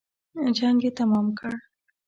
جنګ یې تمام کړ.